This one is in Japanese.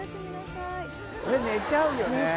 これ寝ちゃうよね。